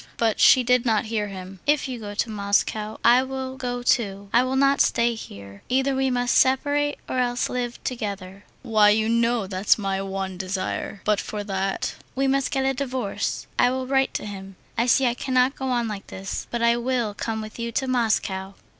But she did not hear him. "If you go to Moscow, I will go too. I will not stay here. Either we must separate or else live together." "Why, you know, that's my one desire. But for that...." "We must get a divorce. I will write to him. I see I cannot go on like this.... But I will come with you to Moscow."